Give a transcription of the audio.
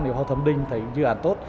nếu họ thẩm định thấy dự án tốt